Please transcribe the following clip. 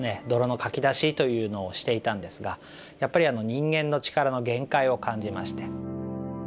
泥のかき出しというのをしていたんですがやっぱり人間の力の限界を感じまして。